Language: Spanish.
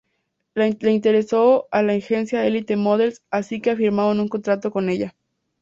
Le interesó a la agencia Elite Models, asi que firmaron un contrato con ella.